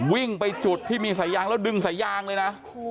วิ่งไปจุดที่มีสายยางแล้วดึงสายยางเลยนะ